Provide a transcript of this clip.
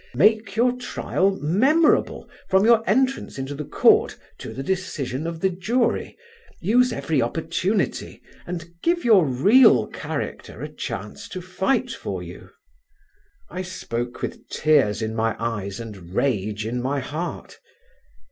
Make your trial memorable from your entrance into the court to the decision of the jury. Use every opportunity and give your real character a chance to fight for you." I spoke with tears in my eyes and rage in my heart.